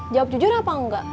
jawab jujur apa enggak